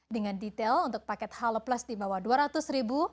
dengan detail untuk paket halo plus di bawah dua ratus ribu